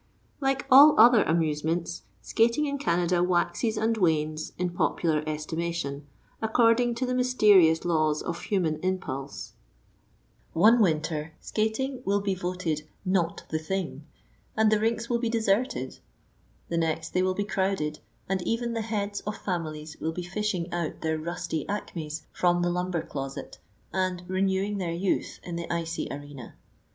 Like all other amusements, skating in Canada waxes and wanes in popular estimation, according to the mysterious laws of human impulse. One winter skating will be voted "not the thing," and the rinks will be deserted; the next, they will be crowded, and even the heads of families will be fishing out their rusty "acmes" from the lumber closet, and renewing their youth in the icy arena.